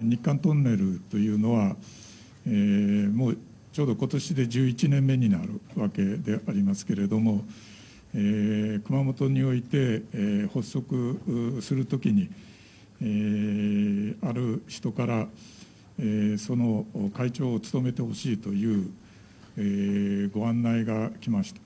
日韓トンネルというのは、もうちょうどことしで１１年目になるわけでありますけれども、熊本において、発足するときに、ある人から、その会長を務めてほしいというご案内が来ました。